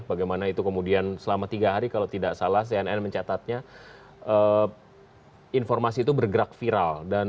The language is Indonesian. bagaimana itu kemudian selama tiga hari kalau tidak salah cnn mencatatnya informasi itu bergerak viral